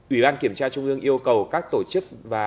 ubkt trung ương yêu cầu các tổ chức và